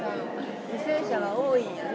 犠牲者が多いんやね。